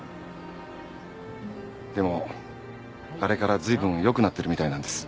でもあれから随分よくなってるみたいなんです。